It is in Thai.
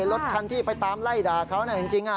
รถคันที่ไปตามไล่ด่าเขาจริง